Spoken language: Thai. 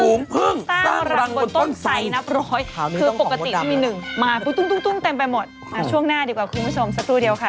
พึ่งตั้งรังบนต้นไสนับร้อยคือปกติก็มีหนึ่งมาตุ้มเต็มไปหมดช่วงหน้าดีกว่าคุณผู้ชมสักครู่เดียวค่ะ